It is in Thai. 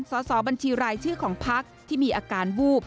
สอบบัญชีรายชื่อของพักที่มีอาการวูบ